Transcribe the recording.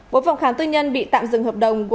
bốn phòng khám tư nhân bị tạm dừng hợp đồng